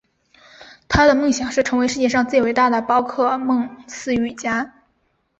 他的梦想是成为世界上最伟大的宝可梦饲育家。